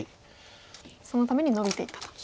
そのためにノビていったと。